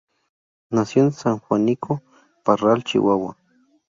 Nació en San Juanico, Parral, Chihuahua.